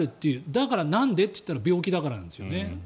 だから、なんでっていったら病気だからなんですね。